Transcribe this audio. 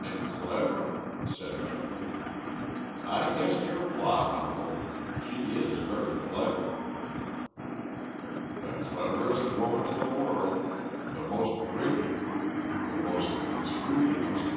"And clever," said Geoffrey. "I guessed your plot, uncle. She is very clever." "The cleverest woman in the world, the most wicked, the most unscrupulous.